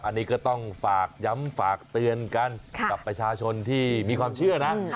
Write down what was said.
อันนี้ก็ต้องฝากย้ำฝากเตือนกันกับประชาชนที่มีความเชื่อนะ